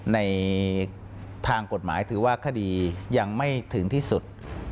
ในทางกฎหมายถือว่าคดียังไม่ถึงที่สุด